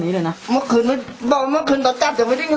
นี่เห็นจริงตอนนี้ต้องซื้อ๖วัน